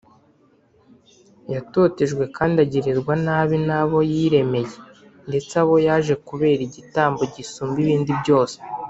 yatotejwe kandi agirirwa nabi n’abo yiremeye, ndetse abo yaje kubera igitambo gisumba ibindi byose